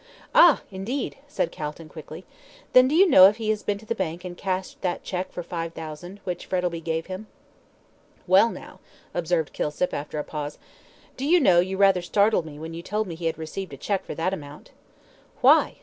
"Ah, indeed!" said Calton, quickly. "Then do you know if he has been to the bank and cashed that cheque for five thousand, which Frettlby gave him?" "Well, now," observed Kilsip, after a pause, "do you know you rather startled me when you told me he had received a cheque for that amount." "Why?"